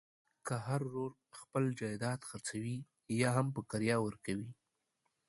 که هر ورور خپل جایداد خرڅوي یاهم په کرایه ورکوي.